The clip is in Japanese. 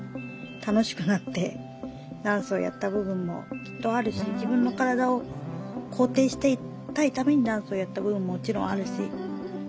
楽しくなってダンスをやった部分もきっとあるし自分の身体を肯定していたいためにダンスをやった部分ももちろんあるし。